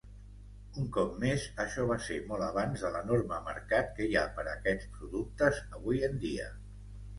Un cop més, això va ser molt abans de l'enorme mercat que hi ha per a aquests productes avui en dia.